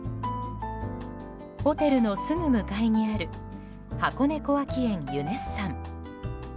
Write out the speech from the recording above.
ホテルのすぐ向かいにある箱根小涌園ユネッサン。